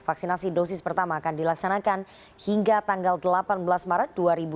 vaksinasi dosis pertama akan dilaksanakan hingga tanggal delapan belas maret dua ribu dua puluh